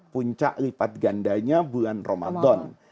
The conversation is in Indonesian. puncak lipat gandanya bulan ramadan